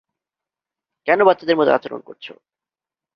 কেন বাচ্চাদের মতো আচরণ করছো।